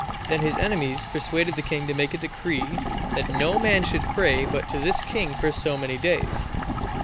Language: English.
Then his enemies persuaded the king to make a decree that no man should pray but to this king for so many days.